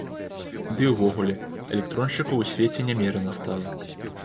Ды і ўвогуле, электроншчыкаў у свеце нямерана стала.